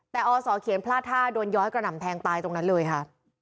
แต่อศเขียนพลาดท่าโดนย้อยกระหน่ำแทงตายตรงนั้นเลยค่ะ